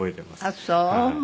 あっそう。